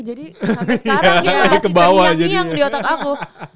jadi sampe sekarang ngilang ngilang di otak aku